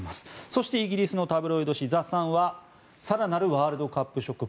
そしてイギリスのタブロイド紙ザ・サンは更なるワールドカップショック。